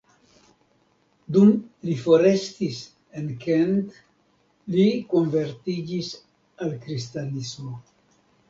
Dum li forestis en Kent li konvertiĝis al kristanismo.